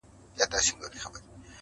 چي زه او ته راضي، حاجت څه دئ د قاضي.